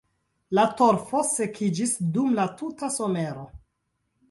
La torfo sekiĝis dum la tuta somero.